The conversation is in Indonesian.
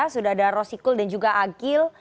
sudah ada rosy kul dan juga agil